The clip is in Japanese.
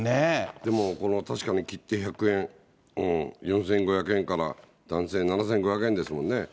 でも、確かに切手１００円、４５００円から男性７５００円ですもんね。